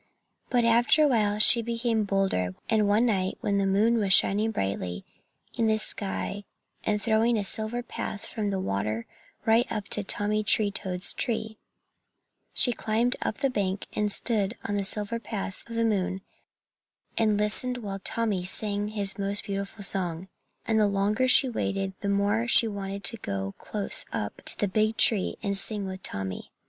But after a while she became bolder and one night, when the moon was shining brightly in the sky and throwing a silver path from the water right up to Tommy Tree Toad's tree, she climbed up the bank and stood on the silver path of the moon and listened while Tommy sang his most beautiful song. And the longer she waited the more she wanted to go close up to the big tree and sing with Tommy.